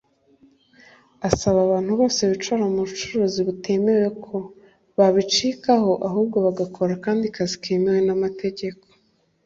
Asaba abantu bose bishora mu bucuruzi butemewe ko babicikaho ahubwo bagakora akandi kazi kemewe n’amategeko